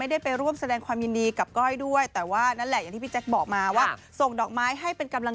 ไม่ได้มาแต่ส่งดอกไม้มาให้